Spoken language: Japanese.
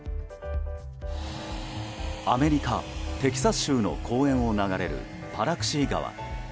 アメリカ・テキサス州の公園を流れるパラクシー川。